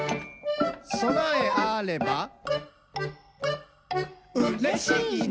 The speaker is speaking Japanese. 「そなえあればうれしいな！」